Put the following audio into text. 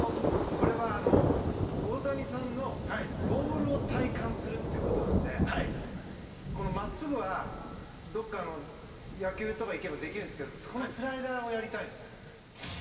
これは、大谷さんのボールを体感するっていう事なんでまっすぐは、どこか、野球とか行けばできるんですけどスライダーをやりたいんですよ。